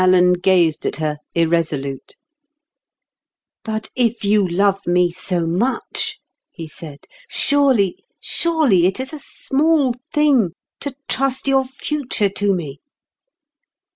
Alan gazed at her, irresolute. "But if you love me so much," he said, "surely, surely, it is a small thing to trust your future to me."